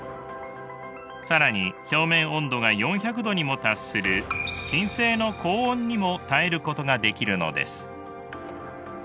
更に表面温度が４００度にも達する金星の高温にも耐えることができるのです。